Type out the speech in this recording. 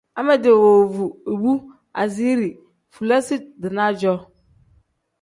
Amedi woovu ibu asiiri fulasi-dinaa-jo.